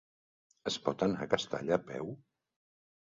Es pot anar a Castalla a peu?